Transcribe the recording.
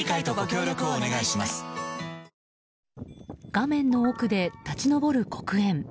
画面の奥で立ち上る黒煙。